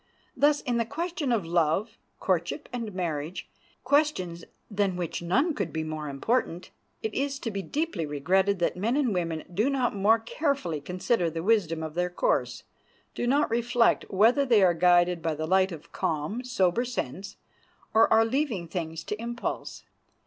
Thus in the questions of love, courtship, and marriage—questions than which none could be more important—it is to be deeply regretted that men and women do not more carefully consider the wisdom of their course, do not reflect whether they are guided by the light of calm, sober sense or are leaving things to impulse.